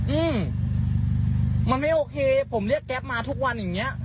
อืมมันไม่โอเคผมเรียกแก๊ปมาทุกวันอย่างเงี้ย